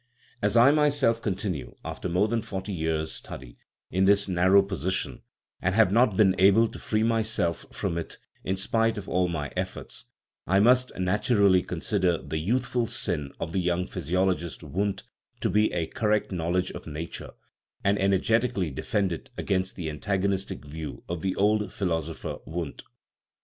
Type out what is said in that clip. As I myself continue, after more than forty years' study, in this " narrow " position, and have not been able to free myself from it in spite of all my efforts, I must naturally consider the " youthful sin " of the young physiologist Wundt to be a correct knowledge of nature, and energetically defend it against the an tagonistic view of the old philosopher Wundt.